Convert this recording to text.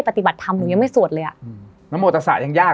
ปฏิบัติธรรมหนูยังไม่สวดเลยอะ